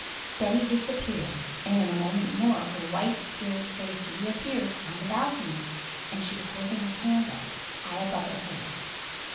Betty disappeared, and in a moment more her white, scared face reappeared on the balcony, and she was holding a candle high above her head.